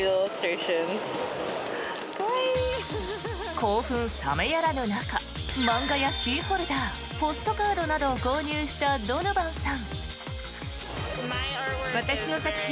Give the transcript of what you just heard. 興奮冷めやらぬ中漫画やキーホルダーポストカードなどを購入したドノバンさん。